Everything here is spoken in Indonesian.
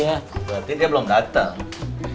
berarti dia belum datang